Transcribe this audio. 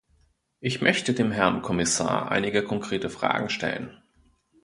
Ich möchte dem Herrn Kommissar einige konkrete Fragen stellen.